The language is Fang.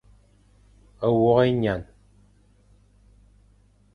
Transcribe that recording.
Wôkh ényan.